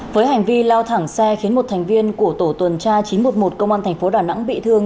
với hành vi lao thẳng xe khiến một thành viên của tổ tuần tra chín trăm một mươi một công an tp đà nẵng bị thương